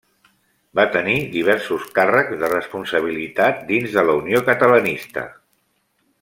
Va tenir diversos càrrecs de responsabilitat dins de la Unió Catalanista.